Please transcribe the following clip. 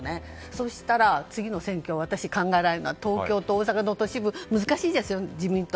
そしたら次の選挙私が考えられるのは東京と大阪の都市部難しいですよ、自民党。